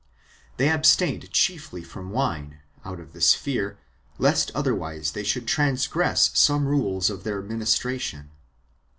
They abstained chiefly from wine, out of this fear, lest otherwise they should transgress some rules of their ministration.